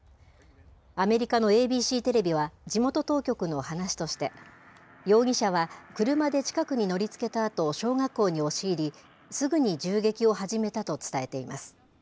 アメリカのＡＢＣテレビは地元当局の話として、容疑者は車で近くに乗りつけたあと小学校に押し入り、すぐに銃撃を始めたと伝えています。